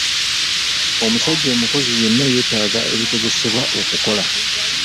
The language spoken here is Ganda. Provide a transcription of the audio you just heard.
Omusajja omukozi yenna yeetaaga ebikozesebwa okukola.